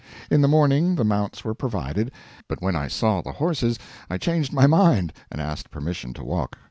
In the morning the mounts were provided, but when I saw the horses I changed my mind and asked permission to walk.